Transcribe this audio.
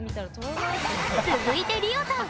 続いて、リオさん。